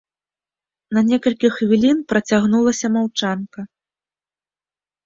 На некалькі хвілін працягнулася маўчанка.